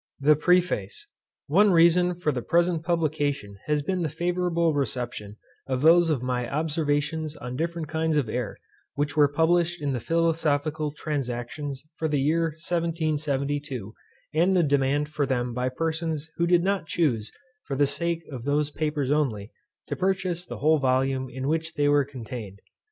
THE PREFACE. One reason for the present publication has been the favourable reception of those of my Observations on different kinds of air, which were published in the Philosophical Transactions for the year 1772, and the demand for them by persons who did not chuse, for the sake of those papers only, to purchase the whole volume in which they were contained.